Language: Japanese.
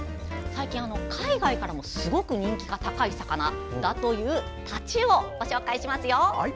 最近、海外からもすごく人気が高いというタチウオをご紹介します。